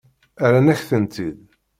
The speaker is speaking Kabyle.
Rran-ak-tent-id.